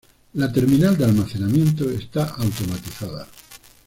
La terminal de almacenamiento está automatizada.